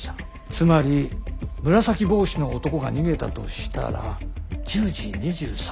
つまり紫帽子の男が逃げたとしたら１０時２３分以降ということだな。